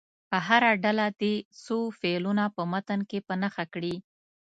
هره ډله دې څو فعلونه په متن کې په نښه کړي.